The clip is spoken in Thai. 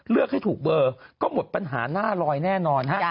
เลือกให้ถูกเบอร์ก็หมดปัญหาหน้าลอยแน่นอนฮะ